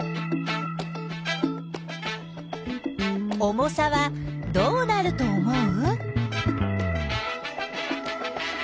重さはどうなると思う？